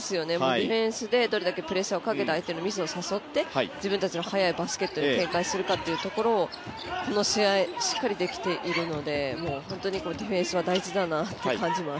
ディフェンスでどれだけプレッシャーをかけて相手のミスを誘って自分たちの速いバスケットに展開するかっていうところをこの試合、しっかりできているので本当にディフェンスは大事だなって感じます。